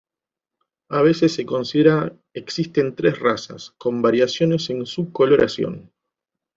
A veces se considera existen tres razas, con variaciones en su coloración.